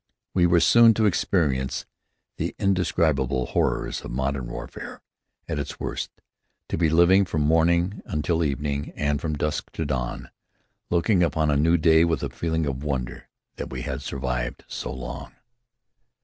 We were soon to experience the indescribable horrors of modern warfare at its worst; to be living from morning until evening and from dusk to dawn, looking upon a new day with a feeling of wonder that we had survived so long.